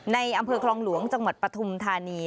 ในอำเภอคลองหลวงจังหวัดปฐุมธานี